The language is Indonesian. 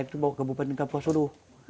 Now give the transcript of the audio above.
itu baru kabupaten kapuasulu